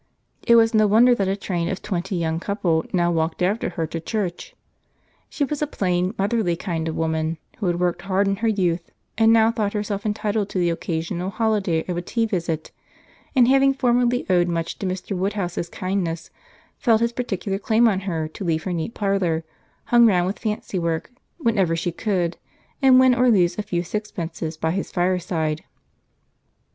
It was no wonder that a train of twenty young couple now walked after her to church. She was a plain, motherly kind of woman, who had worked hard in her youth, and now thought herself entitled to the occasional holiday of a tea visit; and having formerly owed much to Mr. Woodhouse's kindness, felt his particular claim on her to leave her neat parlour, hung round with fancy work, whenever she could, and win or lose a few sixpences by his fireside.